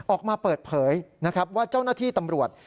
ออกมาเปิดเผยนะครับว่าเจ้าหน้าที่ตำรวจ